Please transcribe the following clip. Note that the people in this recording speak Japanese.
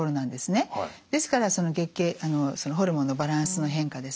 ですから月経ホルモンのバランスの変化ですね